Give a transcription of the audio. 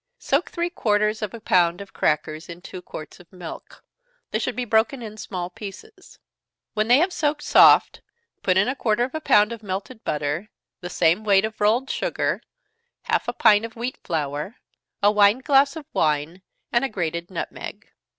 _ Soak three quarters of a pound of crackers in two quarts of milk they should be broken in small pieces. When they have soaked soft, put in a quarter of a pound of melted butter, the same weight of rolled sugar, half a pint of wheat flour, a wine glass of wine, and a grated nutmeg.